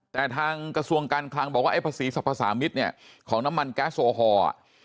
แต่ทางกระทรวงการคลังบอกว่าไอ้ภาษีสรรพสามิตรเนี่ยของน้ำมันแก๊สโอฮอลอ่ะ